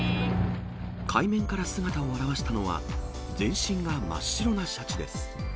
海面から姿を現したのは、全身が真っ白なシャチです。